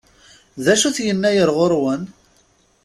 D acu-t Yennayer ɣur-wen?